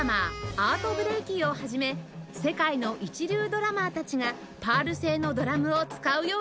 アート・ブレイキーをはじめ世界の一流ドラマーたちがパール製のドラムを使うようになったのです